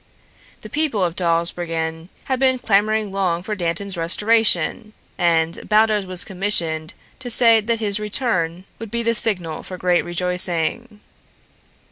The people of Dawsbergen had been clamoring long for Dantan's restoration, and Baldos was commissioned to say that his return would be the signal for great rejoicing.